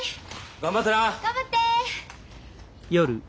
頑張って！